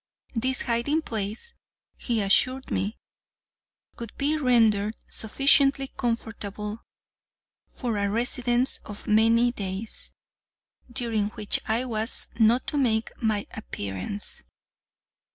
This hiding place, he assured me, would be rendered sufficiently comfortable for a residence of many days, during which I was not to make my appearance.